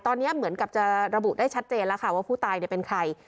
ตอนนี้เหมือนกับจะระบุได้ชัดเจนแล้วค่ะว่าผู้ตายเป็นใคร